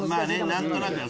何となくよ